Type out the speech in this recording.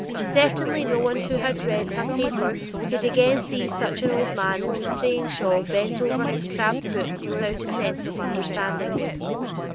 Certainly no one who had read her paper could again see such an old man in his praying shawl bent over his crabbed book, without a sense of understanding.